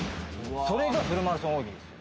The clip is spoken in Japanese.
それがフルマラソン大喜利です。